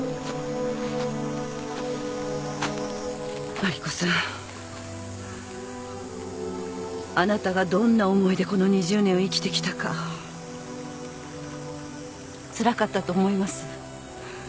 麻里子さんあなたがどんな思いでこの２０年を生きてきたかつらかったと思います。